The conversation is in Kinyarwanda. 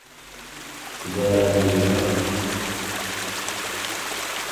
nzarangirira hano